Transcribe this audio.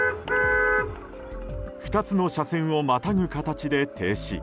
２つの車線をまたぐ形で停止。